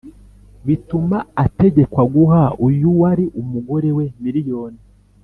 bituma ategekwa guha uyu wari umugore we miliyoni